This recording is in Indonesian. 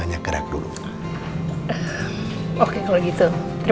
ini maksimal hiterem